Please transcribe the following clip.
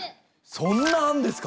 そんなあるんですか！？